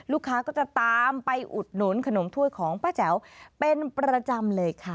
ลูกค้าก็จะตามไปอุดหนุนขนมถ้วยของป้าแจ๋วเป็นประจำเลยค่ะ